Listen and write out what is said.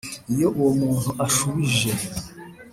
Iyo uwo muntu ashubije